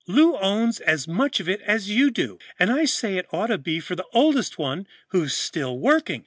"Lou owns as much of it as you do, and I say it ought to be for the oldest one who's still working.